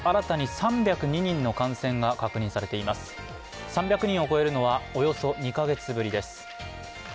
３００人を超えるのは、およそ２カ月ぶりです。